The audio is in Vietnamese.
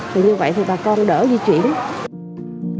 thì như vậy thì bà con đỡ di chuyển